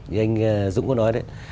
như anh dũng có nói đấy